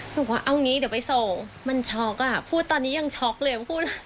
บอกว่าเอางี้เดี๋ยวไปส่งมันช็อกอ่ะพูดตอนนี้ยังช็อกเลย